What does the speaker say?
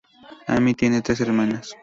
Amy tiene tres hermanas.